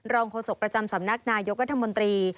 โฆษกประจำสำนักนายกรัฐมนตรี